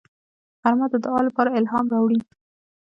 غرمه د دعا لپاره الهام راوړي